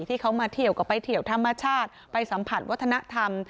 ที่เขามาเที่ยวก็ไปเที่ยวธรรมชาติไปสัมผัสวัฒนธรรม